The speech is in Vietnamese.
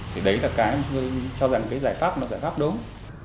thì đấy là cái chúng tôi cho rằng cái giải pháp đó là giải pháp đúng